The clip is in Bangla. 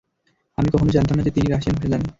আমি কখনো জানতাম না যে তিনি রাশিয়ান ভাষা জানে।